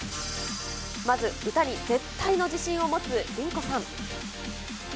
まず歌に絶対の自信を持つリンコさん。